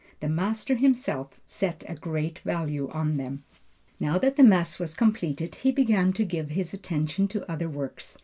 The master himself, set a great value on them. Now that the Mass was completed he began to give his attention to other works.